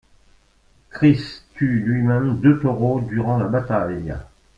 Chris tue lui-même De Toro durant la bataille.